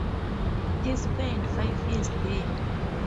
He spent five years there.